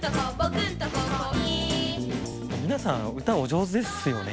皆さん歌お上手ですよね